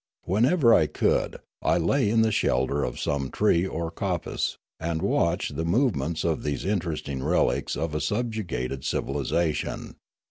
Whenever I could, I lay in the shelter of some tree or coppice, and watched the move ments of these interesting relics of a subjugated civil isation.